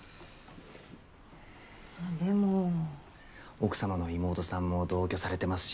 奥様の妹さんも同居されてますし